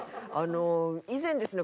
以前ですね